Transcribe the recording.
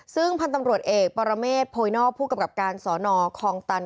ซึ่งพันธุ์ตำรวจเอกปรเมฆโพยนอกผู้กำกับการสอนอคลองตัน